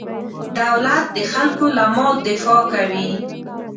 دولت د خلکو له مال دفاع کوي.